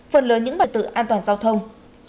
phần lớn những bài tự an toàn giao thông